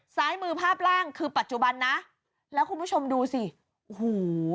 ซ้ายมือภาพล่างคือปัจจุบันนะแล้วคุณผู้ชมดูสิโอ้โห